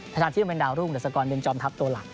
ทัศนที่เป็นเป็นดาวรุ่งดัสสกรณ์เป็นจอมทัพตัวหลัง